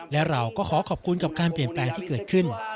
และเราก็ขอขอบคุณกับการเปลี่ยนแปลงที่เกิดขึ้น